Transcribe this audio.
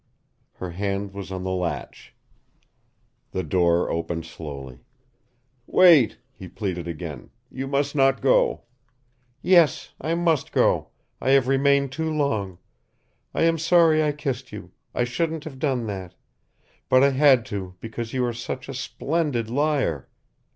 Her hand was on the latch. The door opened slowly. "Wait," he pleaded again. "You must not go." "Yes, I must go. I have remained too long. I am sorry I kissed you. I shouldn't have done that. But I had to because you are such a splendid liar!"